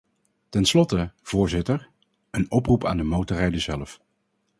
Ten slotte, voorzitter, een oproep aan de motorrijder zelf.